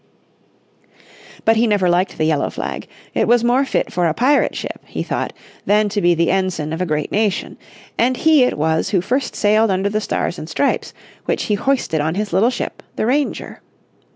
But he never liked the yellow flag. It was more fit for a pirate ship, he thought, than to be the ensign of a great nation, and he it was who first sailed under the Stars and Stripes, which he hoisted on his little ship, the Ranger.